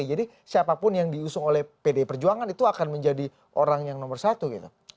jadi siapapun yang diusung oleh pdi perjuangan itu akan menjadi orang yang nomor satu gitu